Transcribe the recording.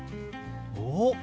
おっ！